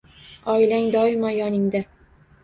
Oilang doimo yoningda.